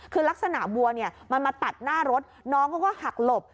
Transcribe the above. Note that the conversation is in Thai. คือลักษณะบัวมันมาตัดหน้ารถน้องก็หักหลบ